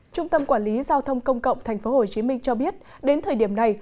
trung tâm quản lý giao thông công cộng tp hcm cho biết đến thời điểm này